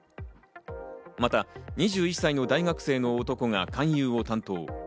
また２１歳の大学生の男が勧誘を担当。